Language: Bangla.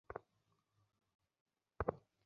হ্যাঁ, এটা একটা বড় স্কুল।